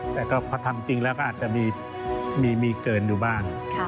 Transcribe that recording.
แต่ก็พอทำจริงแล้วก็อาจจะมีเกินอยู่บ้าง